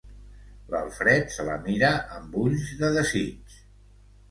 L'Alfred se la mira amb ulls de desig.